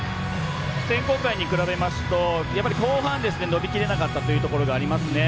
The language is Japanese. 選考会に比べますと後半、伸び切れなかったというところがありますね。